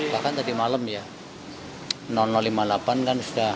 bahkan tadi malam ya lima puluh delapan kan sudah